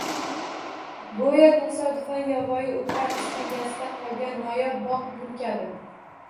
Go'yo tasodifan yovvoyi o'tlar iskanjasida qolgan noyob bog' guli kabi.